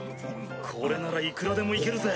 ・これならいくらでも行けるぜ・・